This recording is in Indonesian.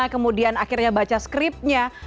kemudian akhirnya baca skripnya